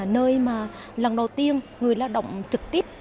nơi mà lần đầu tiên người lao động trực tiếp